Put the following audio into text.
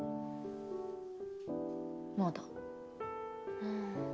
まだ。